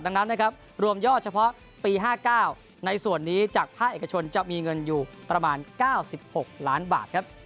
ดังนั้นนะครับรวมยอดเฉพาะปี๕๙ในส่วนนี้จากภาคเอกชนจะมีเงินอยู่ประมาณ๙๖ล้านบาทครับ